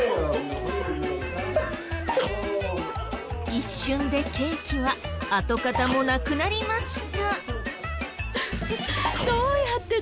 一瞬でケーキは跡形もなくなりました。